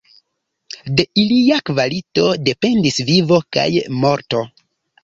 De ilia kvalito dependis vivo kaj morto.